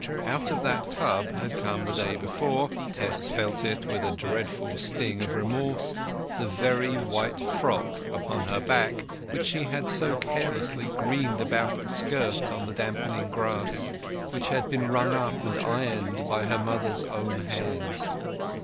Out of that tub had come the day before—Tess felt it with a dreadful sting of remorse—the very white frock upon her back which she had so carelessly greened about the skirt on the damping grass—which had been wrung up and ironed by her mother's own hands.